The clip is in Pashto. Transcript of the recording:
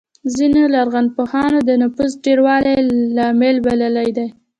ځینو لرغونپوهانو د نفوسو ډېروالی لامل بللی دی